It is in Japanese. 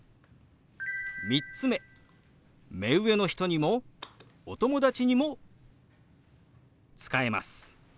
３つ目目上の人にもお友達にも使えます。